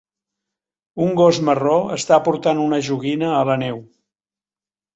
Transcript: Un gos marró està portant una joguina a la neu.